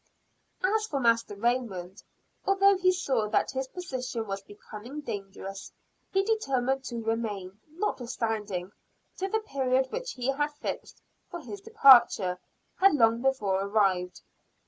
As for Master Raymond, although he saw that his position was becoming dangerous, he determined to remain, notwithstanding the period which he had fixed for his departure had long before arrived.